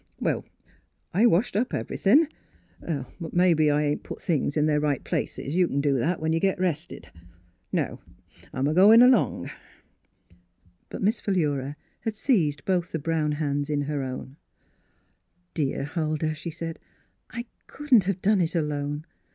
Well, I washed up everythin', but mebbe I ain't Miss Fhilura's Wedding Gown put things in their right places. You c'n do that when you git rested. Now I'm a goin' along." But Miss Philura had seized both the brown hands in her own. " Dear Huldah," she said, " I couldn't have done it alone.